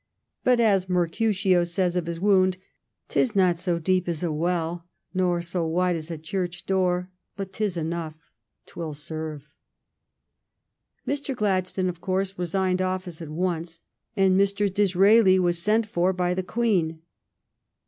But, as Mercutio says of his wound, " 't is not so deep as a well, nor so wide as a church door, but 't is enough — 't will serve." Mr. Gladstone, of course, resigned office at once, and Mr. Disraeli was sent for by the Queen.